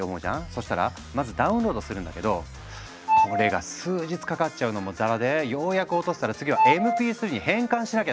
そしたらまずダウンロードするんだけどこれが数日かかっちゃうのもざらでようやく落とせたら次はＭＰ３に変換しなきゃならなかったんだ。